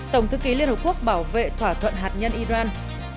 tổng thư ký liên hợp quốc bảo vệ thỏa thuận hạt nhân iran